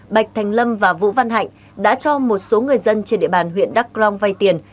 bạch thành lâm và vũ văn hạnh đã cho một số người dân trên địa bàn huyện đắk long vay tiền